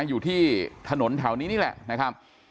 อยู่ที่ถนนแถวนี้นี่แหละนะครับ